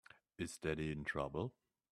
Is Daddy in trouble?